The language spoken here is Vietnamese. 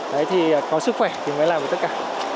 đấy thì có sức khỏe thì mới là của tất cả